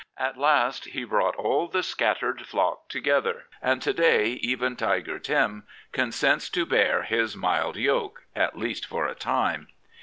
At last he brought all the scattered flock together, and to day even Tiger Tim consents to bear his mild yoke — at least for a time.